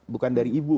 bukan dari ibu